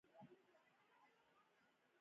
د دوی پر ځای بزګران په دندو وګمارل شول.